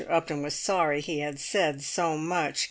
Upton was sorry he had said so much.